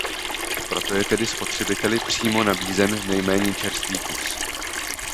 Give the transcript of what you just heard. Proto je tedy spotřebiteli přímo nabízen nejméně čerstvý kus.